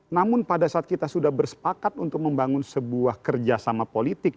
namun pada saat kita sudah bersepakat untuk membangun sebuah kerjasama politik